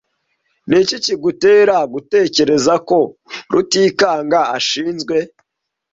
Niki kigutera gutekereza ko Rutikanga ashinzwe?